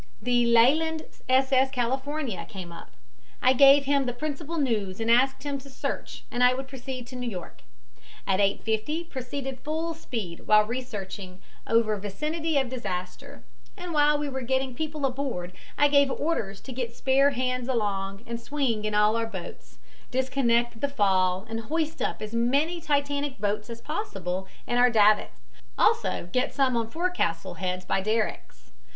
the Leyland S. S. California came up. I gave him the principal news and asked him to search and I would proceed to New York; at 8.50 proceeded full speed while researching over vicinity of disaster, and while we were getting people aboard I gave orders to get spare hands along and swing in all our boats, disconnect the fall and hoist up as many Titanic boats as possible in our davits; also get some on forecastle heads by derricks.